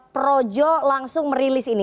projo langsung merilis ini